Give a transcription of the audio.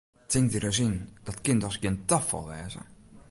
Tink dy ris yn, dat kin dochs gjin tafal wêze!